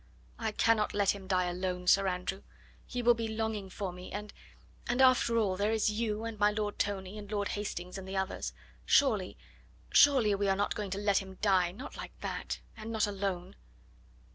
"I cannot let him die alone, Sir Andrew; he will be longing for me, and and, after all, there is you, and my Lord Tony, and Lord Hastings and the others; surely surely we are not going to let him die, not like that, and not alone."